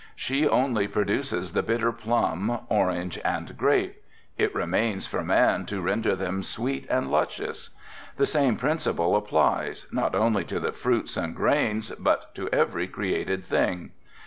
She only produces the bitter plum, orange and grape. It remained for man to render them sweet and luscious. The same principle applies, not only to the fruits and grains, but to every created thing.